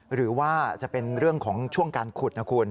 หรือว่าจะเป็นเรื่องของช่วงการขุดนะคุณ